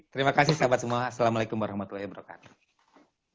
terima kasih sahabat semua assalamualaikum warahmatullahi wabarakatuh